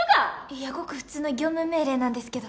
いやごく普通の業務命令なんですけど。